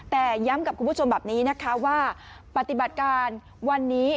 แต่ย้ำกับคุณผู้ชมแบบนี้นะคะว่าปฏิบัติการวันนี้